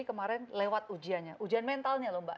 kemarin lewat ujiannya ujian mentalnya